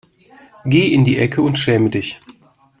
Geh in die Ecke und schäme dich.